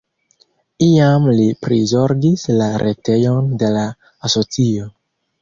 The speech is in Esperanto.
Iam li prizorgis la retejon de la asocio.